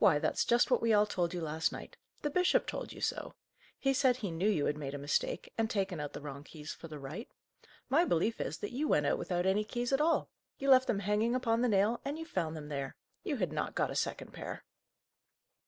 Why, that's just what we all told you last night. The bishop told you so. He said he knew you had made a mistake, and taken out the wrong keys for the right. My belief is, that you went out without any keys at all. You left them hanging upon the nail, and you found them there. You had not got a second pair!"